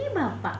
nah ini bapak